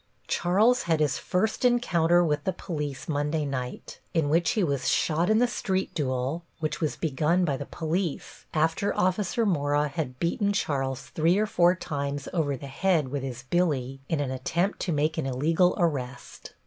Charles had his first encounter with the police Monday night, in which he was shot in the street duel which was begun by the police after Officer Mora had beaten Charles three or four times over the head with his billy in an attempt to make an illegal arrest.